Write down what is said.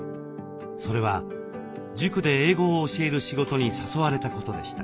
それは塾で英語を教える仕事に誘われたことでした。